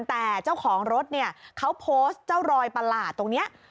แต่เจ้าของรถเนี่ยเขาโพสต์เจ้ารอยประหลาดตรงนี้